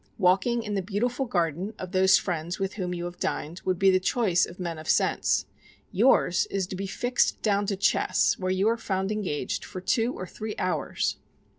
Walking in the beautiful garden of those friends with whom you have dined, would be the choice of men of sense; yours is to be fixed down to chess, where you are found engaged for two or three hours!"